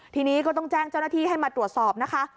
ทีนี้ก็ต้องแจ้งเจ้าหน้าที่ให้มาตรวจสอบนะคะ